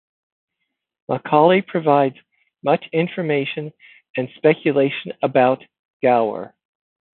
Macaulay provides much information and speculation about Gower.